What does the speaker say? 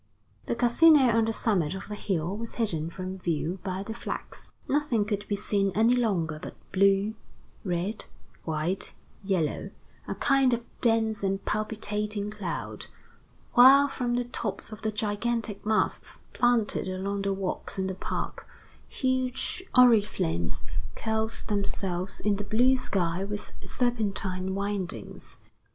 The Casino on the summit of the hill was hidden from view by the flags. Nothing could be seen any longer but blue, red, white, yellow, a kind of dense and palpitating cloud; while from the tops of the gigantic masts planted along the walks in the park, huge oriflammes curled themselves in the blue sky with serpentine windings.